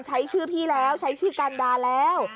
ใช้ชื่อพี่แล้วใช้ชื่อกันดาแล้ว